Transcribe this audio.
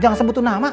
jangan sebutu nama